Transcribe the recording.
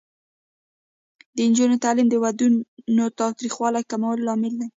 د نجونو تعلیم د ودونو تاوتریخوالي کمولو لامل دی.